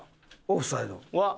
オフサイド。